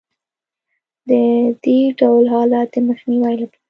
د دې ډول حالت د مخنیوي لپاره